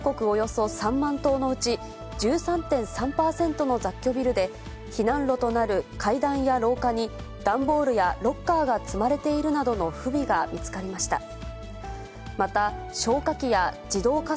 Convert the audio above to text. およそ３万棟のうち、１３．３％の雑居ビルで、避難路となる階段や廊下に、段ボールやロッカーが積まれているなどの不備が見つかりました。